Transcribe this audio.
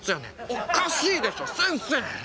おかしいでしょ先生。